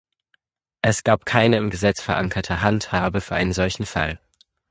Es gab keine im Gesetz verankerte Handhabe für einen solchen Fall.